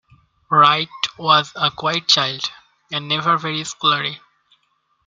Wright was a quiet child, and never very scholarly.